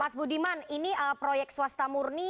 mas budiman ini proyek swasta murni